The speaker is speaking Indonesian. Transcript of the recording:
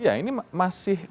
ya ini masih terlihat